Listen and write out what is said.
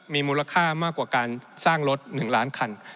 มีมูลค่ามากกว่าการสร้างรถ๑ล้านคัน